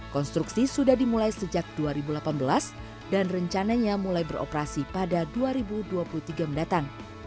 konstruksi sudah dimulai sejak dua ribu delapan belas dan rencananya mulai beroperasi pada dua ribu dua puluh tiga mendatang